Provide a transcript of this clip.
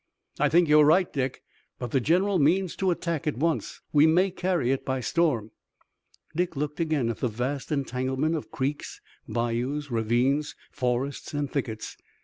"I think you're right, Dick, but the general means to attack at once. We may carry it by storm." Dick looked again at the vast entanglement of creeks, bayous, ravines, forests and thickets.